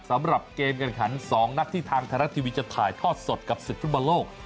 สำหรับเกมการขัน๒นัดที่ทางไทยรัฐทีวีจะถ่ายทอดสดกับศึกฟุตบอลโลก